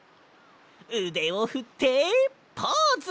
うでをふってポーズ！